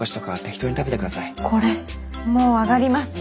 これもう上がります。